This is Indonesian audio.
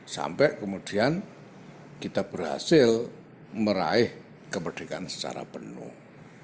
sampai kemudian kita berhasil meraih kemerdekaan secara penuh